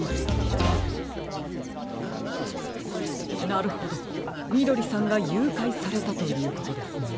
なるほどみどりさんがゆうかいされたということですね。